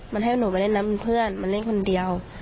มันให้หนูไปเล่นน้ำเป็นเพื่อนมันเล่นคนเดียว